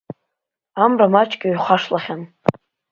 Амра маҷк иҩхашлахьан.